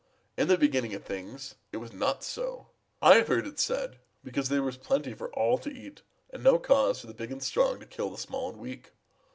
In the beginning of things it was not so, I have heard it said, because then there was plenty for all to eat and no cause for the big and strong to seek to kill the small and weak.